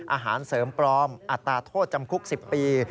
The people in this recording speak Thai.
อาหารเสริมปลอมอัตราโทษจำคุก๑๐ปี